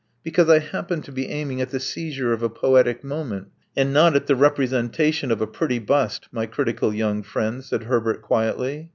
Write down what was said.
Because I happened to be aiming at the seizure of a poetic moment, and not at the representation of a pretty bust, my critical young friend," said Herbert quietly.